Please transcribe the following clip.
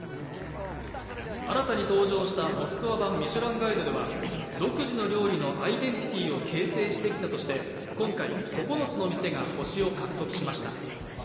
新たに登場したモスクワ版ミシュランガイドでは独自の料理のアイデンティティーを形成してきたとして、今回９つの店が星を獲得しました。